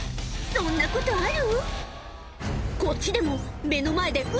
そんなことある？